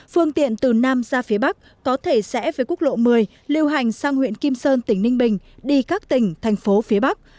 phương tiện từ nam ra phía bắc có thể rẽ với quốc lộ một mươi lưu hành sang huyện kim sơn tỉnh ninh bình đi các tỉnh thành phố phía bắc